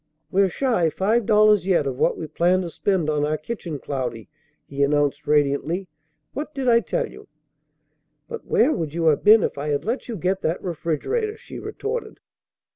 "We're shy five dollars yet of what we planned to spend on our kitchen, Cloudy," he announced radiantly. "What did I tell you?" "But where would you have been if I had let you get that refrigerator?" she retorted.